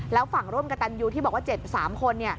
แล้วฝั่งร่วมกระตันยูที่บอกว่าเจ็บ๓คน